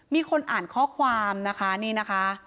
มีคนอ่านข้อความนะคะนี่นะคะ